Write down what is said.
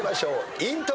イントロ。